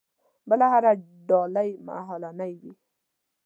بله هره ډالۍ مهالنۍ وي.